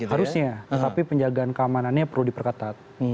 harusnya tapi penjagaan keamanannya perlu diperkatat